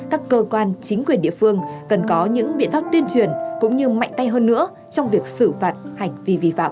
các cơ quan chính quyền địa phương cần có những biện pháp tuyên truyền cũng như mạnh tay hơn nữa trong việc xử phạt hành vi vi phạm